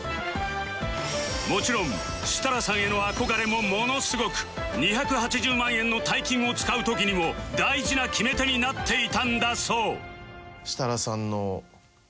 もちろん設楽さんへの憧れもものすごく２８０万円の大金を使う時にも大事な決め手になっていたんだそう